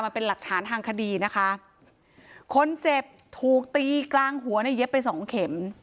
เป็นหลักฐานทางคดีนะคะคนเจ็บถูกตีกลางหัวเนี่ยเย็บไปสองเข็ม